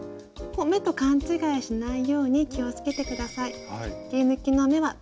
目と勘違いしないように気をつけて下さい。